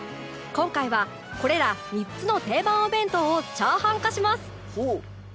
今回はこれら３つの定番お弁当をチャーハン化します